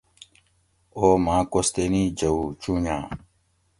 او ماۤں کوستینی جوؤ چونجاۤ